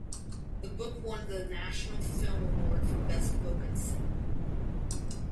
The book won the National Film Award for Best Book on Cinema.